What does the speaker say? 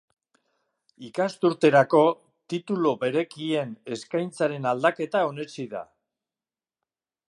Ikasturterako titulu berekien eskaintzaren aldaketa onetsi da.